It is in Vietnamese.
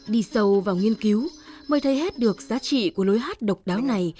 đi sâu vào nghiên cứu mới thấy hết được giá trị của lối hát độc đáo này